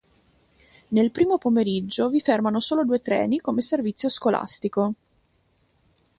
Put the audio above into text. Nel primo pomeriggio, vi fermano solo due treni come servizio scolastico.